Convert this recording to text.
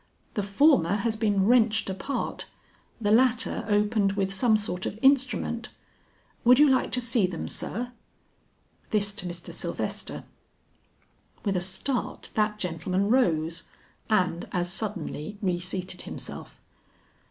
The former has been wrenched apart, the latter opened with some sort of instrument. Would you like to see them, sir?" This to Mr. Sylvester. With a start that gentleman rose, and as suddenly reseated himself.